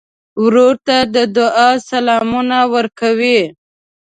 ورور ته د دعا سلامونه ورکوې.